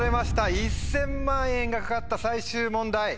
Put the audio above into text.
１０００万円が懸かった最終問題。